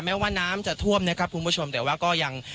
แม้ว่าน้ำจะท่วมแต่ว่ายัง